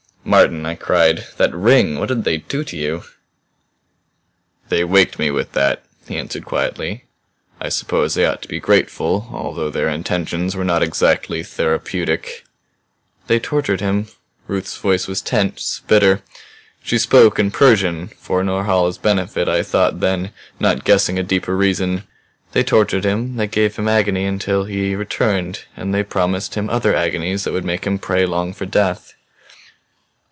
"Martin," I cried. "That ring? What did they do to you?" "They waked me with that," he answered quietly. "I suppose I ought to be grateful although their intentions were not exactly therapeutic " "They tortured him," Ruth's voice was tense, bitter; she spoke in Persian for Norhala's benefit I thought then, not guessing a deeper reason. "They tortured him. They gave him agony until he returned. And they promised him other agonies that would make him pray long for death.